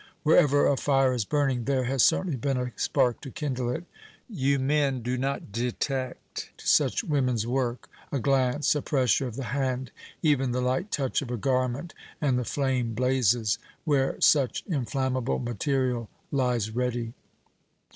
Wherever a fire is burning, there has certainly been a spark to kindle it. You men do not detect such women's work. A glance, a pressure of the hand, even the light touch of a garment, and the flame blazes, where such inflammable material lies ready."